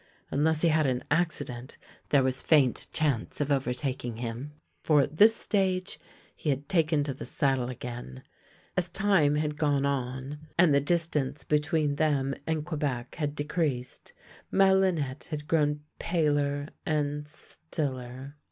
Unless he had an accident there was faint chance of overtaking him, for at this stage he had taken to the saddle again. As time had gone on, and the distance 52 THE LANE THAT HAD NO TURNING between them and Quebec had decreased, Madehnette had grown paler and stiller.